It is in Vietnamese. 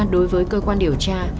đối với cơ quan điều tra